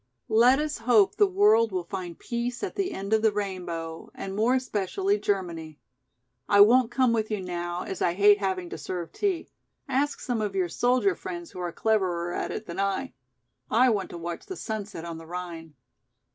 Let us hope the world will find peace at the end of the rainbow, and more especially Germany. I won't come with you now, as I hate having to serve tea. Ask some of your soldier friends who are cleverer at it than I. I want to watch the sunset on the Rhine."